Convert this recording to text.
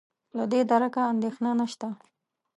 له دې درکه اندېښنه نشته.